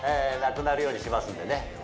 なくなるようにしますんでね